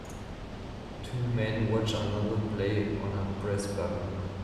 Two men watch another play on a brass bugle.